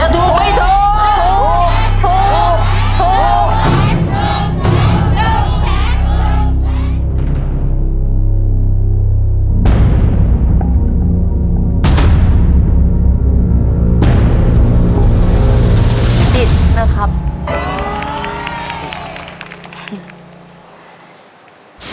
ถูกถูกถูกถูกว่ายังไง